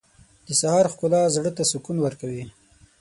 • د سهار ښکلا زړه ته سکون ورکوي.